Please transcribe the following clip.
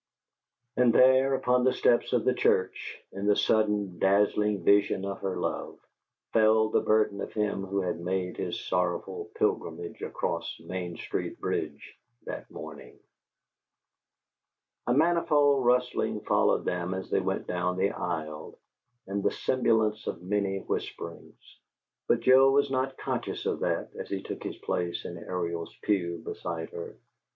And there, upon the steps of the church, in the sudden, dazzling vision of her love, fell the burden of him who had made his sorrowful pilgrimage across Main Street bridge that morning. A manifold rustling followed them as they went down the aisle, and the sibilance of many whisperings; but Joe was not conscious of that, as he took his place in Ariel's pew beside her.